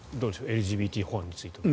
ＬＧＢＴ法案については。